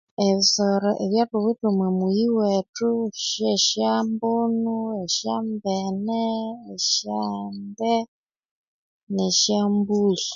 Ebisoro ebyathuwithe omwa muyi wethu syesyambunu esyambene esyande nesyambuli